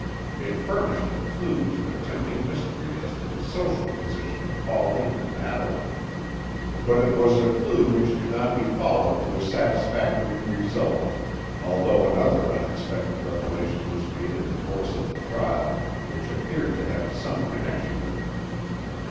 It furnished a clue to a tempting mystery as to the social position of Pauline and Madeline; but it was a clue which could not be followed to a satisfactory result, although another unexpected revelation was made in the course of the trial which appeared to have some connection with it.